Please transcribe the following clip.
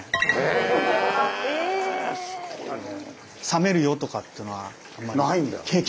冷めるよとかっていうのはあんまり。